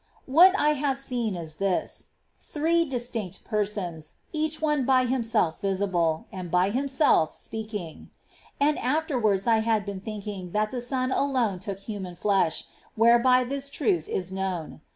8. What I have seen is this : Three distinct Persons, liSity"^ ^^® each one by Himself visible, and by Himself speak ing.^ And afterwards I have been thinking that the Son alone took human flesh, whereby this truth is known.